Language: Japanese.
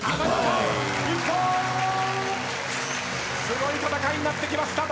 すごい戦いになってきました。